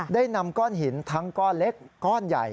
ได้นำก้อนหินทั้งก้อนเล็กก้อนใหญ่